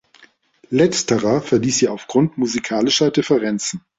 Letztere verließ sie aufgrund musikalischer Differenzen.